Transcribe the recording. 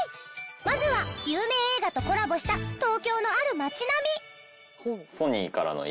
まずは有名映画とコラボした東京のある街並み。